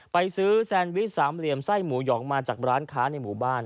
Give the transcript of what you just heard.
ไปซื้อแซนวิชสามเหลี่ยมไส้หมูหองมาจากร้านค้าในหมู่บ้าน